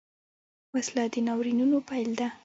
وسله د ناورینونو پیل ده